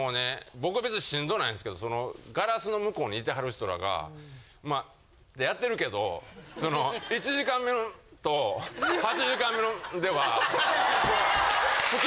僕は別にしんどないんですけどそのガラスの向こうにいてはる人らがまあってやってるけどその１時間目のと８時間目のではもう。